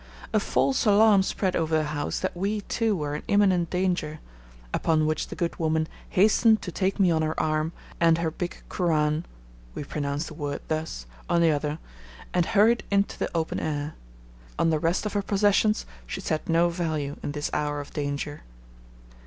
A false alarm spread over the house that we, too, were in imminent danger; upon which the good woman hastened to take me on her arm, and her big kuran (we pronounce the word thus) on the other, and hurried into the open air. On the rest of her possessions she set no value in this hour of danger.